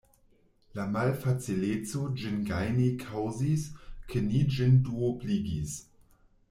La malfacileco ĝin gajni kaŭzis, ke ni ĝin duobligis.